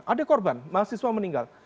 ada korban mahasiswa meninggal